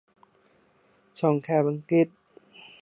ช่องแคบอังกฤษ